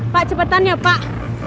pak cepetan ya pak